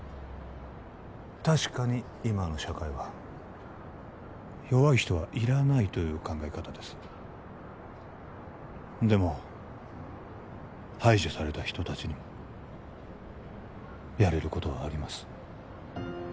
確かに今の社会は弱い人はいらないという考え方ですでも排除された人たちにもやれることはあります